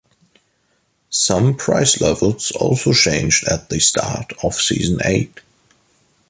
Some prize levels also changed at the start of season eight.